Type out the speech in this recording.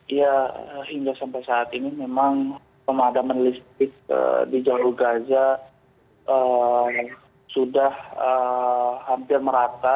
ya hingga sampai saat ini memang pemadaman listrik di jalur gaza sudah hampir merata